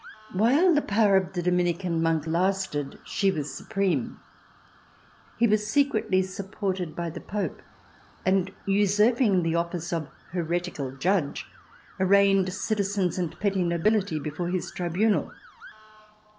While the power of the Dominican monk lasted she was supreme. He was secretly supported by the Pope, and, usurping the office of heretical judge, arraigned citizens and petty nobility before his tribunal.